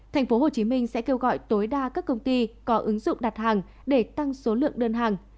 tp hcm sẽ kêu gọi tối đa các công ty có ứng dụng đặt hàng để tăng số lượng đơn hàng